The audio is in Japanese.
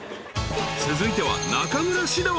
［続いては中村獅童］